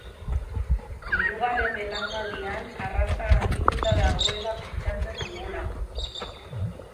Hirugarren belaunaldian arraza garbituta dagoela pentsatzen dugulako.